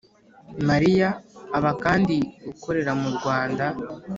Mariya aba kandi ukorera mu Rwanda